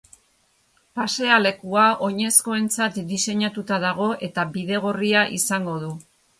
Pasealekua oinezkoentzat diseinatuta dago eta bidegorria izango du.